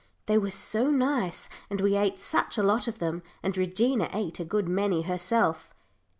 They were so nice, and we ate such a lot of them, and Regina ate a good many herself.